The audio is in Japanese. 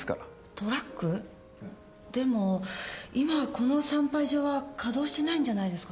トラック？でも今はこの産廃場は稼動してないんじゃないですか？